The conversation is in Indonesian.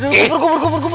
cepat kabur kabur kabur